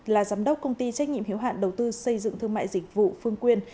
là giám đốc công ty trách nhiệm hiếu hạn đầu tư xây dựng thương mại dịch vụ phương quyên